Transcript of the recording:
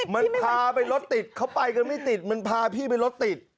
มันพาไปรถติดเขาไปกันไม่ติดมันพาพี่ไปรถติด